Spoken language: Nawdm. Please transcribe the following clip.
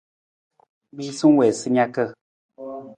Miisa wii sa naka.